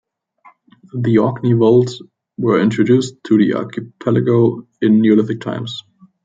The Orkney voles were introduced to the archipelago in Neolithic times.